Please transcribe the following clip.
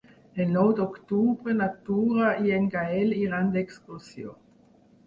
El nou d'octubre na Tura i en Gaël iran d'excursió.